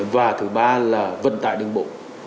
và thứ ba là vận tải đường bộ